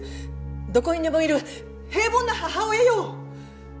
どこにでもいる平凡な母親よ！